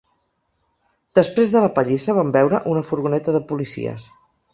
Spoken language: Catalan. Després de la pallissa vam veure una furgoneta de policies.